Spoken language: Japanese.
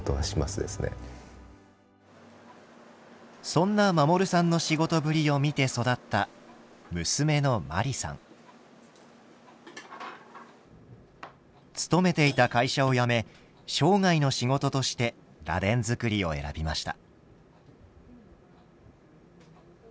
そんな守さんの仕事ぶりを見て育った娘の勤めていた会社を辞め生涯の仕事として螺鈿作りを選びました。